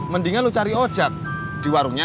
mendingan lu cari ojek di warungnya